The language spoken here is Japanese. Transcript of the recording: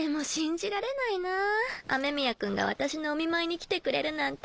任眇犬蕕譴覆い福雨宮君が私のお見舞いに来てくれるなんて。